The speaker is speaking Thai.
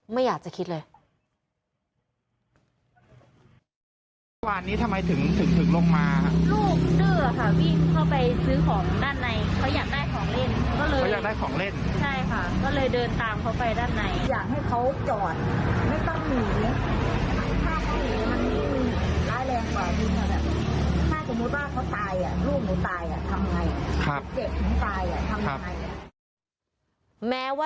ไม่อยากจะคิดเลย